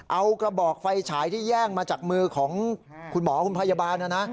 เอากระบอกไฟฉายที่แย่งมาจากมือของคุณหมอคุณพยาบาลนะนะ